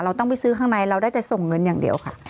ต้องไปซื้อข้างในเราได้แต่ส่งเงินอย่างเดียวค่ะ